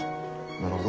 なるほど。